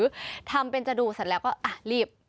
หรือทำเป็นจะดูสัดแล้วก็อ่ะรีบ